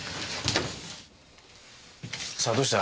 さあどうした？